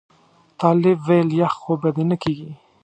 طالب ویل یخ خو به دې نه کېږي.